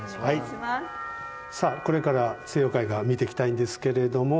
さあこれから西洋絵画を見ていきたいんですけれども。